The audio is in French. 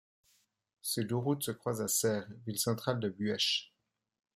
Ces deux routes se croisent à Serres, ville centrale du Buëch.